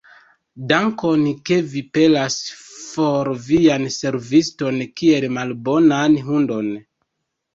Dankon, ke vi pelas for vian serviston kiel malbonan hundon!